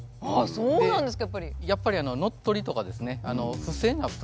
そうなんですか？